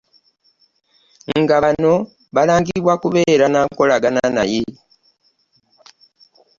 Nga bano balangibwa kubeera na nkolagana naye.